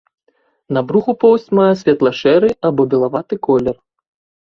На бруху поўсць мае светла-шэры або белаваты колер.